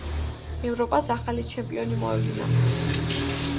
ევროპას ახალი ჩემპიონი მოევლინა.